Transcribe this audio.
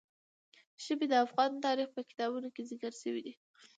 ژبې د افغان تاریخ په کتابونو کې ذکر شوي دي.